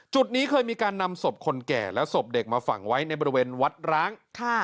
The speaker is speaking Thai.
จุดนี้เคยมีการนำศพคนแก่และศพเด็กมาฝังไว้ในบริเวณวัดร้าง